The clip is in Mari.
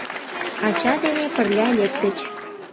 Ача дене пырля лектыч.